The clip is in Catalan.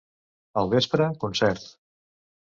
Al vespre, concert.